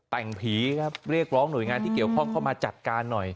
แต่งผีครับเรียกร้องหน่วยงานที่เกี่ยวข้องเข้ามาจัดการหน่อย